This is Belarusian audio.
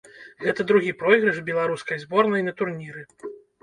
Гэта другі пройгрыш беларускай зборнай на турніры.